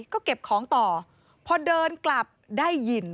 ก็เก็บของต่อพอเดินกลับได้ยิน